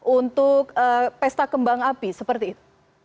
untuk pesta kembang api seperti itu